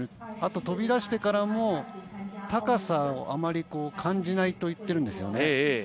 あと、飛び出してからも高さ、あまり感じないと言ってるんです。